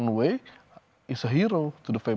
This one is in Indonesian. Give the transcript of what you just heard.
adalah seorang hero untuk keluarga